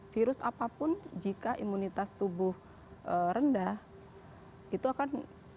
virus apapun jika imunitas tubuh rendah itu akan